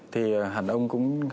thì hẳn ông cũng